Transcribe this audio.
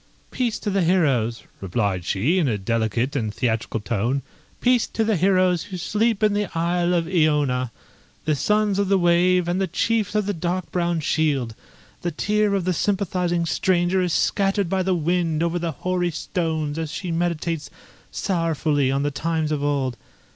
"Peace to the heroes," replied she, in a delicate and theatrical tone; "peace to the heroes who sleep in the isle of Iona; the sons of the wave, and the chiefs of the dark brown shield! The tear of the sympathising stranger is scattered by the wind over the hoary stones as she meditates sorrowfully on the times of old!